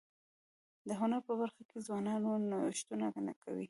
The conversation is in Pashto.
د هنر په برخه کي ځوانان نوښتونه کوي.